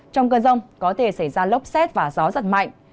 trong cơn rông có thể xảy ra lốc xét và gió giật mạnh